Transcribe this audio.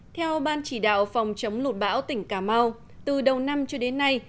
theo ban chỉ đạo phòng chống lụt bão tỉnh cà mau từ đầu năm cho đến nay